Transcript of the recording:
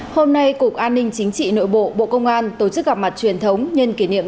hôm nay cục an ninh chính trị nội bộ bộ công an tổ chức gặp mặt truyền thống nhân kỷ niệm